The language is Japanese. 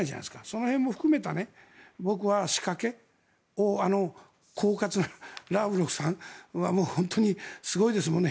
その辺も含めた仕掛けをこうかつなラブロフさんは本当にすごいですもんね。